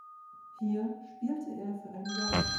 Hier spielte er für ein Jahr.